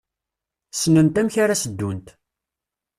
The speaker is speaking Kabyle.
Ssnent amek ara s-ddunt.